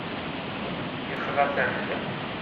Yexra tamda.